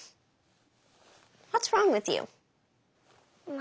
何？